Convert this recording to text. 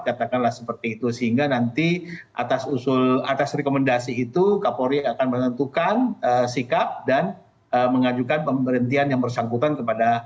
katakanlah seperti itu sehingga nanti atas rekomendasi itu kapolri akan menentukan sikap dan mengajukan pemberhentian yang bersangkutan kepada